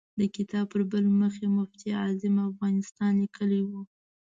د کتاب پر بل مخ یې مفتي اعظم افغانستان لیکلی و.